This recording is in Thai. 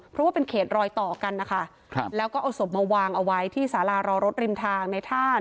เพราะว่าเป็นเขตรอยต่อกันนะคะครับแล้วก็เอาศพมาวางเอาไว้ที่สารารอรถริมทางในท่า